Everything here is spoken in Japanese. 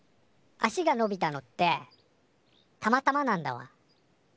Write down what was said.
足がのびたのってたまたまなんだわ。